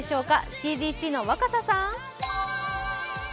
ＣＢＣの若狭さん。